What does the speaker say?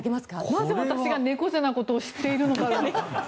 なぜ私が猫背なことを知っているのだろう。